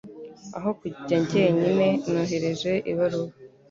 Aho kujya njyenyine, nohereje ibaruwa.